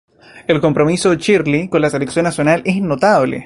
El compromiso de Shirley con la Selección nacional es notable.